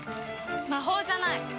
魔法じゃない。